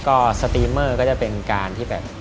ก็สตรีเมอร์ก็จะเป็นการที่แบบ